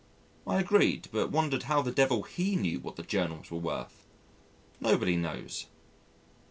I agreed but wondered how the devil he knew what the Journals were worth nobody knows.